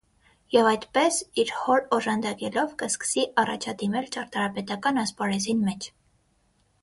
Եւ այդպէս իր հօր օժանդակելով կը սկսի յառաջդիմել ճարտարապետական ասպարէզին մէջ։